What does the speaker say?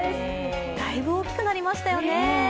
だいぶ大きくなりましたよね。